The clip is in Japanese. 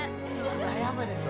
悩むでしょ？